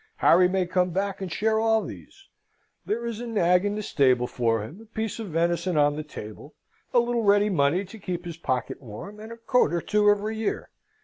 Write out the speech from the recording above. Harry may come back and share all these: there is a nag in the stable for him, a piece of venison on the table, a little ready money to keep his pocket warm, and a coat or two every year.